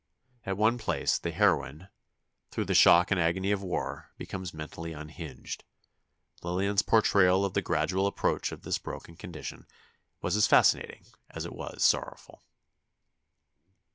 At one place, the heroine, through the shock and agony of war, becomes mentally unhinged. Lillian's portrayal of the gradual approach of this broken condition was as fascinating as it was sorrowful.